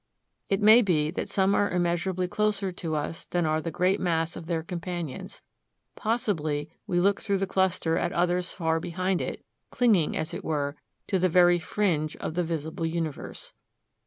It may be that some are immeasurably closer to us than are the great mass of their companions; possibly we look through the cluster at others far behind it, clinging, as it were, to the very fringe of the visible universe.